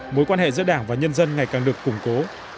mối quan hệ giữa đảng và nhân dân ngày càng được củng cố